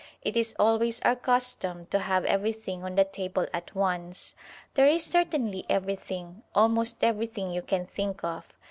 It is always our custom to have everything on the table at once." There is certainly everything, almost everything you can think of.